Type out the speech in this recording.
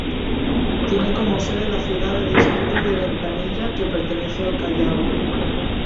Tiene como sede la ciudad de Distrito de Ventanilla que pertenece al Callao.